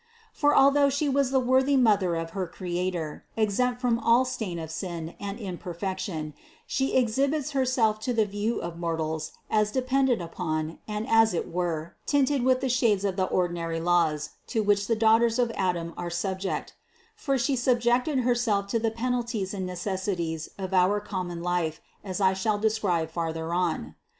For although She was the worthy Mother of her Creator, exempt from all stain of sin and imperfection, She exhibits Herself to the view of mor tals as dependent upon and as it were tinted with the shades of the ordinary laws, to which the daughters of Adam are subject; for She subjected Herself to the pen alties and necessities of our common life, as I shall de scribe later on.